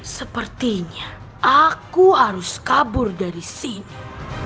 sepertinya aku harus kabur dari sini